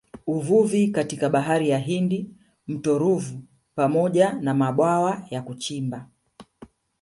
Uvuvi katika Bahari ya Hindi mto Ruvu pamoja na mabwawa ya kuchimba